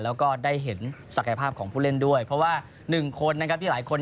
แล้วก็ได้เห็นศักยภาพของผู้เล่นด้วยเพราะว่าหนึ่งคนนะครับที่หลายคน